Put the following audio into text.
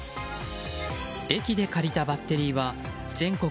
駅で借りたバッテリーは全国